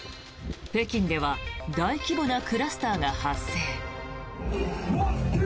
北京では大規模なクラスターが発生。